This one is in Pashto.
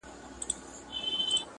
چي څنگه ئې ځنگل، هغسي ئې چغالان.